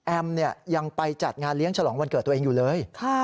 ยังไปจัดงานเลี้ยงฉลองวันเกิดตัวเองอยู่เลย